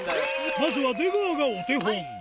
まずは出川がお手本。